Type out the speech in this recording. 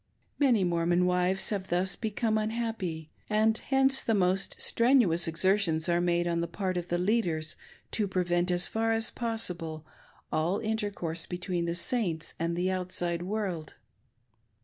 Many Mormon wives have thus become unhappy ; and hence the most strenuous exertions are made on the part of the leaders to prevent as far as possible all intercourse between the Saints and the outside world.